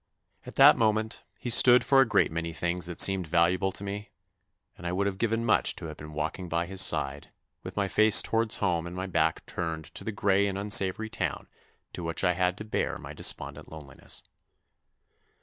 At that moment he stood for a great many things that seemed valuable to me, and I would have given much to have been walking by his side with my face towards home and my back turned to the grey and unsavoury town to which I had to bear my despondent loneliness.